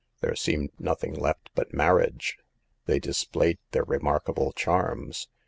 There seemed nothing left but marriage. They displayed their remarkable charms.